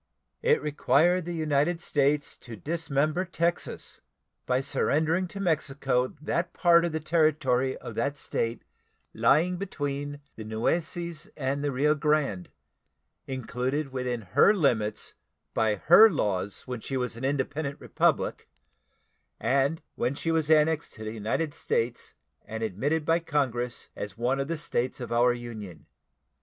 It required the United States to dismember Texas by surrendering to Mexico that part of the territory of that State lying between the Nueces and the Rio Grande, included within her limits by her laws when she was an independent republic, and when she was annexed to the United States and admitted by Congress as one of the States of our Union.